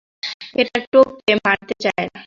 এটা টোপকে মারতে চায় না।